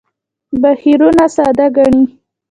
بهیرونه ساده ګڼي.